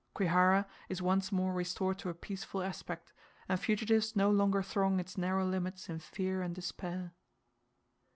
Kwihara is once more restored to a peaceful aspect, and fugitives no longer throng its narrow limits in fear and despair.